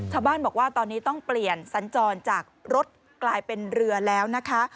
ชาวบ้านบอกว่าตอนนี้ต้องเปลี่ยนสัญจรจากรถกลายเป็นเรือแล้วนะคะ